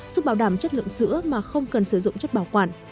giúp bảo đảm chất lượng sữa mà không cần sử dụng chất bảo quản